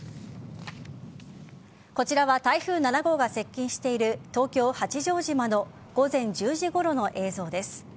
こちらは台風７号が接近している東京・八丈島の午前１０時ごろの映像です。